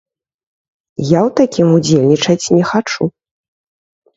Я ў такім удзельнічаць не хачу.